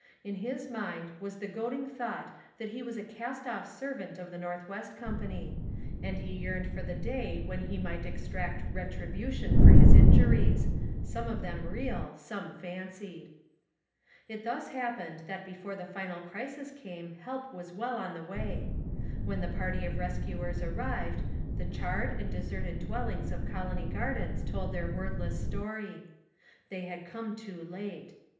In his mind was the goading thought that he was a cast off servant of the North West Company; and he yearned for the day when he might exact retribution for his injuries, some of them real, some fancied. It thus happened that before the final crisis came help was well on the way. When the party of rescuers arrived, the charred and deserted dwellings of Colony Gardens told their wordless story. They had come too late.